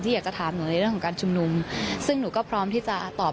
อยากจะถามหนูในเรื่องของการชุมนุมซึ่งหนูก็พร้อมที่จะตอบ